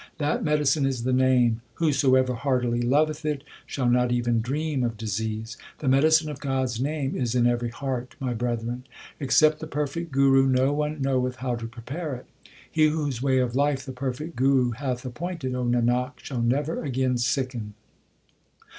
That medicine is the Name ; whosoever heartily loveth it Shall not even dream of disease. The medicine of God s name is in every heart, my brethren. Except the perfect Guru no one knoweth how to prepare it. He whose way of life the perfect Guru hath appointed, O Nanak, shall never again sicken.